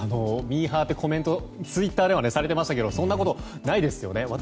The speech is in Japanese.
ミーハーってコメントツイッターではされていましたがそんなことないですよね。